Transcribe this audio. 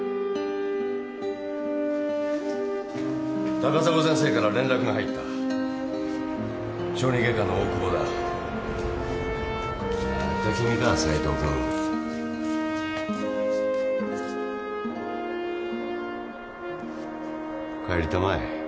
高砂先生から連絡が入った小児外科の大久保だまた君か斉藤君・帰りたまえ